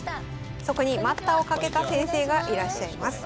そこに待ったをかけた先生がいらっしゃいます。